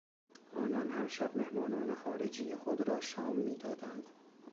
آنان هر شب مهمانان خارجی خود را شام میدادند.